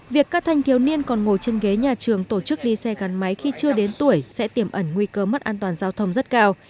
việc các thanh thiếu niên còn ngồi trên ghế nhà trường tổ chức đi xe gắn máy khi chưa đến tuổi sẽ tiềm ẩn nguy cơ mất an toàn giao thông rất cao